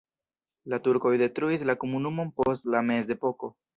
La turkoj detruis la komunumon post la mezepoko.